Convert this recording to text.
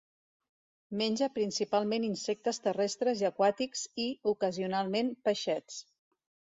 Menja principalment insectes terrestres i aquàtics, i, ocasionalment, peixets.